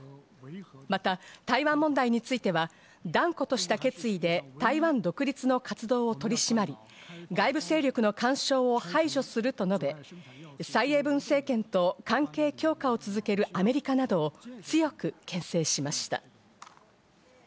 また台湾問題については、断固とした決意で台湾独立の活動取り締まり、外部勢力の干渉を排除すると述べ、サイ・エイブン政権と関係強化を続けるアメリカなど強くけん制しました。